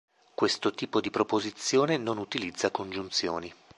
Questo tipo di proposizione non utilizza congiunzioni.